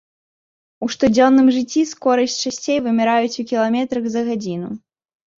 У штодзённым жыцці скорасць часцей вымяраюць у кіламетрах за гадзіну.